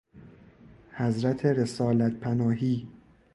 حضرت رسالت پناهی